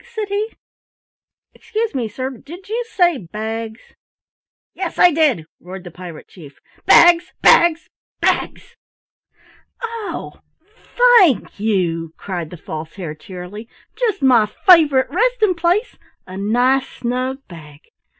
said he. "Excuse me, sir, but did you say bags?" "Yes, I did," roared the Pirate Chief. "Bags! Bags! Bags!" "Oh, thank you!" cried the False Hare cheerily. "Just my favorite resting place a nice snug bag.